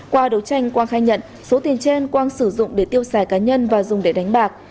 qua đấu tranh quang khai nhận số tiền trên quang sử dụng để tiêu xài cá nhân và dùng để đánh bạc